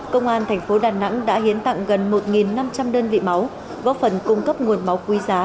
công an thành phố đà nẵng đã hiến tặng gần một năm trăm linh đơn vị máu góp phần cung cấp nguồn máu quý giá